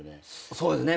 そうですね。